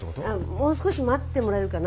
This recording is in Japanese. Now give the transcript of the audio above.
もう少し待ってもらえるかな？